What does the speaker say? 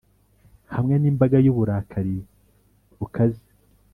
hamwe nimbaga yuburakari bukaze,